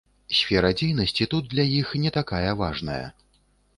Сфера дзейнасці тут для іх не такая важная.